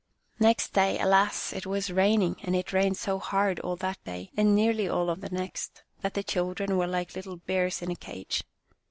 Next day, alas ! it was raining, and it rained so hard all that day, and nearly all of the next, that the children were like little bears in a cage.